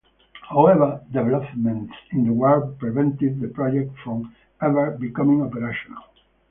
However, developments in the war prevented the project from ever becoming operational.